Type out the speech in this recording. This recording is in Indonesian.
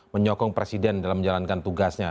menyokong presiden dalam menjalankan tugasnya